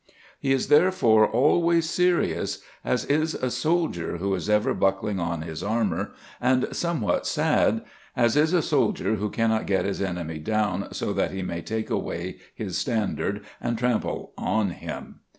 He is therefore always serious, as is a soldier who is ever buckling on his armour, and somewhat sad, as is a soldier who cannot get his enemy down so that he may take away his standard and trample on him.